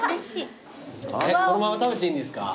このまま食べていいんですか？